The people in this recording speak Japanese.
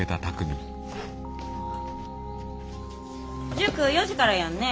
塾４時からやんね？